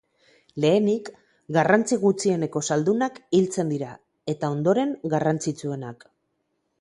Lehenik, garrantzi gutxieneko zaldunak hiltzen dira, eta, ondoren, garrantzitsuenak.